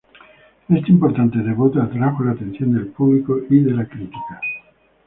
Este importante debut atrajo la atención del público y de la crítica.